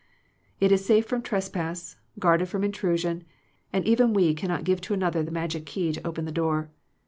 It is safe from trespass, guarded from intrusion, and even we cannot give to another the magic key to open the door.